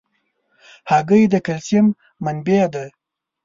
هګۍ د کلسیم منبع ده.